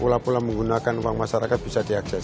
pula pula menggunakan uang masyarakat bisa diakses